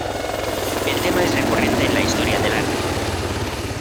El tema es recurrente en la historia del arte.